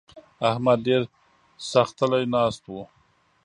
احمد ډېر ساختلی ناست وو.